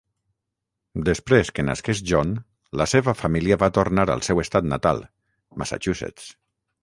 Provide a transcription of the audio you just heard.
Després que nasqués John, la seva família va tornar al seu estat natal, Massachusetts.